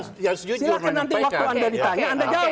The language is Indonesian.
silahkan nanti waktu anda ditanya anda jawab